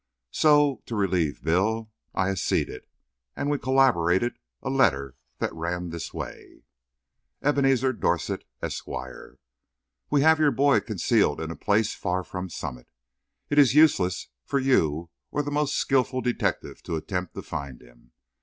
So, to relieve Bill, I acceded, and we collaborated a letter that ran this way: Ebenezer Dorset, Esq.: We have your boy concealed in a place far from Summit. It is useless for you or the most skilful detectives to attempt to find him.